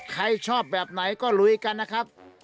ใครชอบแบบไหนก็ลุยกันนะครับ